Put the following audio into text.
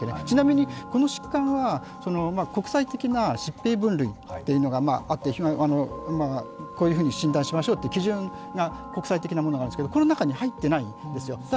ちなみにこの疾患は国際的な疾病分類というのがあってこういうふうに診断しましょうという国際的な基準があるんですけれども、この中に入っていないんですよ、